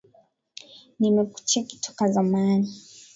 Nimekucheki toka zamani.